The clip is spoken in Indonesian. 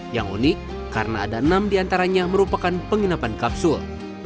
yang unik karena ada enam diantaranya merupakan penginapan kapsul